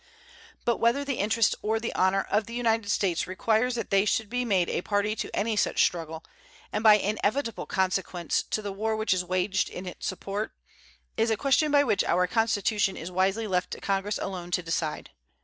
But whether the interest or the honor of the United States requires that they should be made a party to any such struggle, and by inevitable consequence to the war which is waged in its support, is a question which by our Constitution is wisely left to Congress alone to decide.